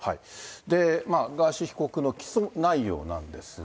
ガーシー被告の起訴内容なんですが。